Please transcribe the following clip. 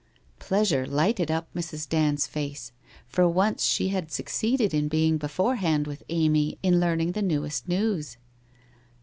Pleasure lighted up Mrs. Dand's face. For once she had succeeded in being be forehand with Amy in learning the newest news.